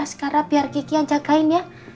sekarang biar kiki yang jagain ya